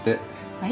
はい？